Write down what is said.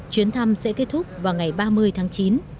chuyến thăm sẽ kết thúc vào ngày ba mươi tháng chín